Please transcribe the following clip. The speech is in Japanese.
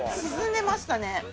沈んでましたね。